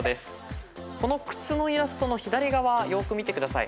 この靴のイラストの左側よーく見てください。